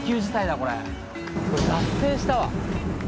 これ脱線したわ。